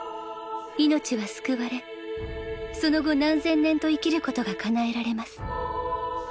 命は救われその後何千年と生きることが叶えられます